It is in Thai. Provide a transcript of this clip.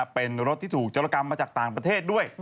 เป็นรถที่ถูกจรกรรมมาจากต่างประเทศด้วย